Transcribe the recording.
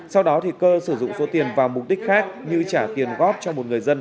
sau đó cơ sử dụng số tiền vào mục đích khác như trả tiền góp cho một người dân